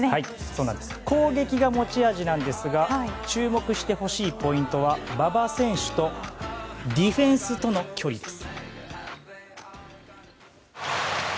攻撃が持ち味なんですが注目してほしいポイントは馬場選手とディフェンスとの距離です。